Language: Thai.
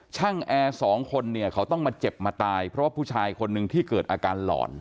แอร์สองคนเนี่ยเขาต้องมาเจ็บมาตายเพราะว่าผู้ชายคนหนึ่งที่เกิดอาการหลอน